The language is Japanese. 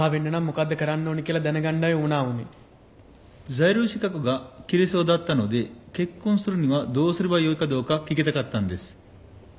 在留資格が切れそうだったので結婚するにはどうすればよいかどうか聞きたかったんです。